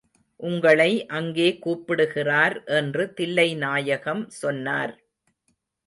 உங்களை அங்கே கூப்பிடுகிறார் என்று தில்லைநாயகம் சொன்னார்.